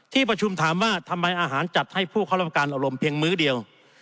ที่ประชุมถามว่าทำไมอาหารจัดให้ผู้เข้ารับประการอารมณ์เพียงมื้อเดียว